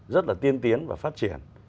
rất là tiên tiến và phát triển